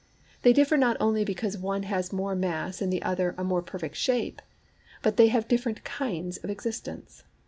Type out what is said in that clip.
They differ not only because one has more mass and the other a more perfect shape; but they have different kinds of existence.